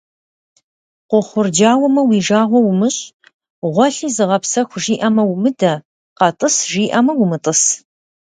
Къохъурджауэмэ, уи жагъуэ умыщӏ, гъуэлъи зыгъэпсэху жиӏэмэ – умыдэ, къэтӏыс жиӏэмэ – умытӏыс.